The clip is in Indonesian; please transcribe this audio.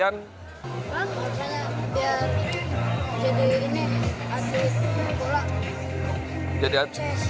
daerah bagian rusua